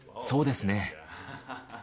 そうですね。